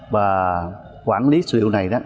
và quản lý số liệu này